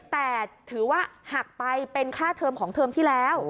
แต่ถือว่าหักไปเป็นค่าเทอมของเทอมที่แล้ว